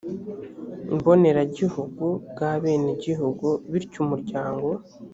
mboneragihugu bw abenegihugu bityo umuryango